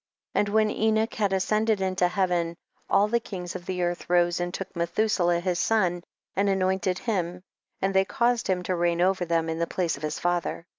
2. And when Enoch had ascend ed into heaven, all the kings of the earth rose and took Methuselah his son and anointed him, and they caused him to reign over them in the place of his father.